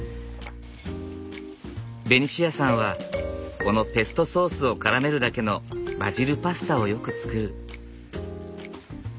ベニシアさんはこのペストソースをからめるだけのバジルパスタをよく作る。